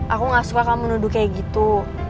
aku gak suka kamu nuduh kayak gitu